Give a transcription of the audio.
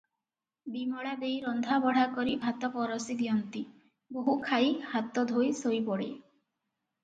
ବିମଳା ଦେଈ ରନ୍ଧାବଢ଼ା କରି ଭାତ ପରଷି ଦିଅନ୍ତି, ବୋହୂ ଖାଇ ହାତ ଧୋଇ ଶୋଇପଡ଼େ ।